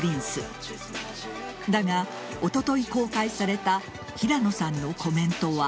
だが、おととい公開された平野さんのコメントは。